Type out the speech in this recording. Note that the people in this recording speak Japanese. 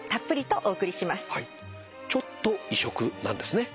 ちょっと異色なんですね。